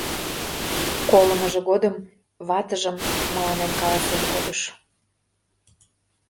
Колымыжо годым ватыжым мыланем каласен кодыш...